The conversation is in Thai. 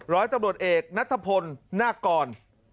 ร้อยตำรวจเอกนัทพลนาคกร